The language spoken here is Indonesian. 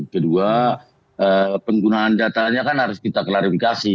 kedua penggunaan datanya kan harus kita klarifikasi